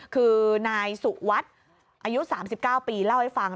คือนายสุวัสดิ์อายุ๓๙ปีเล่าให้ฟัง